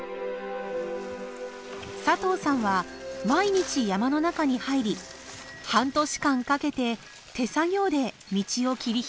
佐藤さんは毎日山の中に入り半年間かけて手作業で道を切り拓きました。